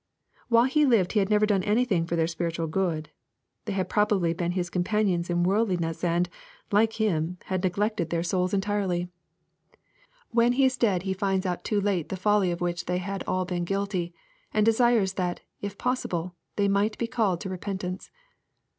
While he lited he had never done anything for their spiritual good. They had probably been his companions in worldliness, and, like him, had neglected their soula LUKE, CHAP. XVI. 215 entirely. When he is dead he finds out too late the folly of which they had all been guilty, and desires that, if possible, they might be called to repentance.